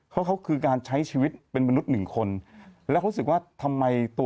แล้วเขาจะผิดตรงไหนอะ